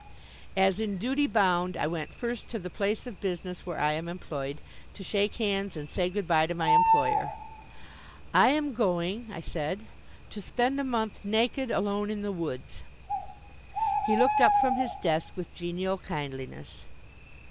As in duty bound, I went first to the place of business where I am employed, to shake hands and say good bye to my employer. "I am going," I said, "to spend a month naked alone in the woods." He looked up from his desk with genial kindliness.